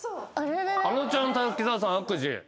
あのちゃん滝沢さん「あくじ」